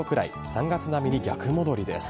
３月並みに逆戻りです。